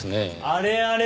あれあれ？